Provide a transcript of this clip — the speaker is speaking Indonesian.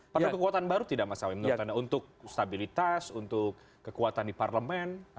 padahal kekuatan baru tidak masalah menurut anda untuk stabilitas untuk kekuatan di parlemen